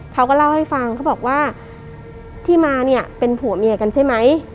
เขาก็เล่าให้ฟังเขาบอกว่าที่มาเนี่ยเป็นผัวเมียกันใช่ไหม